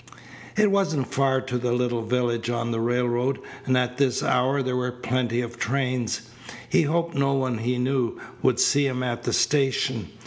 It wasn't far to the little village on the railroad, and at this hour there were plenty of trains. He hoped no one he knew would see him at the station.